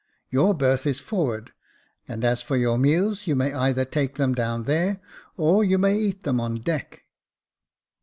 Your berth is forward ; and as for your meals, you may either take them down there, or you may eat them on deck."